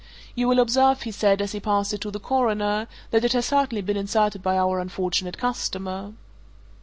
You will observe," he said, as he passed it to the Coroner, "that it has certainly been inserted by our unfortunate customer."